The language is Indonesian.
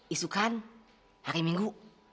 isukan hari minggu